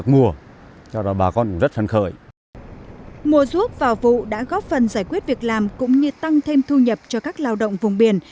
mùa rút vào vụ đã góp phần giải quyết việc làm cũng như tăng thêm thu nhập cho các lao động vùng biển